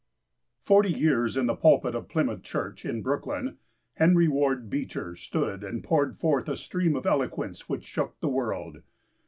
Forty years in the pulpit of Plymouth Church in Brooklyn Henry Ward Beecher stood and poured forth a stream of eloquence which shook the world.